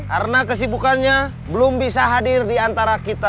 karena kesibukannya belum bisa hadir diantara kita